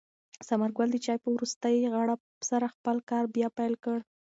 ثمر ګل د چای په وروستۍ غړپ سره خپل کار بیا پیل کړ.